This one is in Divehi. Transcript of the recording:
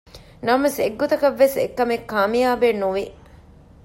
ނަމަވެސް އެއްގޮތަކަށްވެސް އެކަމެއް ކާމިޔާބެއް ނުވި